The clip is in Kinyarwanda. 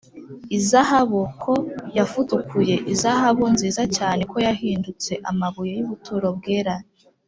Izahabu ko yafutukuye, Izahabu nziza cyane ko yahindutse, Amabuye y’ubuturo bwera